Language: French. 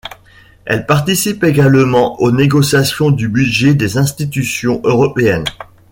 Elle participe également aux négociations du budget des institutions européennes.